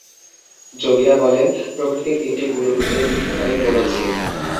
যোগীরা বলেন, প্রকৃতির তিনটি গুণ অনুযায়ী তিন প্রকারের মন আছে।